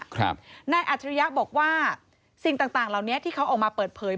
หน้าอัจริยักษ์บอกว่าสิ่งต่างเหล่านี้ที่เขาออกมาเปิดเผย